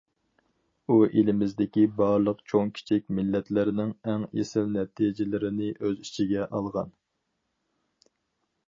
ئۇ ئېلىمىزدىكى بارلىق چوڭ كىچىك مىللەتلەرنىڭ ئەڭ ئېسىل نەتىجىلىرىنى ئۆز ئىچىگە ئالغان.